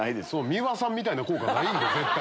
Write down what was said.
美輪さんみたいな効果ない絶対。